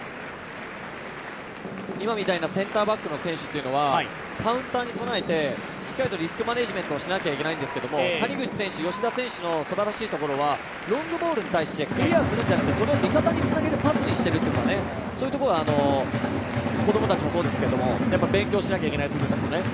今みたいなセンターバックの選手はカウンターに備えてしっかりリスクマネージメントをしないといけないんですけどすばらしいところはロングボールに対してクリアするんじゃなくてそれを味方につなげるパスにしているという、そういうところは子供たちもそうですけれども、勉強しなきゃいけない部分ですね。